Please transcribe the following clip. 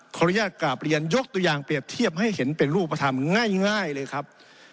ขออนุญาตกราบเรียนยกตัวอย่างเปรียบเทียบให้เห็นเป็นรูปธรรมง่ายเลยครับ